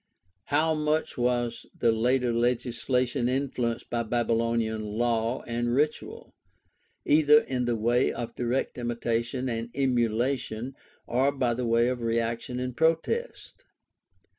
How much was the later legislation influenced by Babylonian law and ritual, either in the way of direct imitation and emulation or by way of reaction and protest